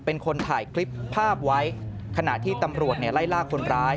เป็นคนถ่ายคลิปภาพไว้ขณะที่ตำรวจเนี่ยไล่ลากคนร้าย